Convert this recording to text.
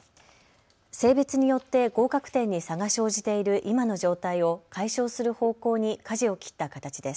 性別によって合格点に差が生じている今の状態を解消する方向にかじを切った形です。